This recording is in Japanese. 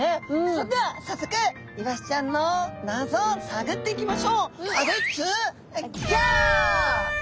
それではさっそくイワシちゃんの謎をさぐっていきましょう！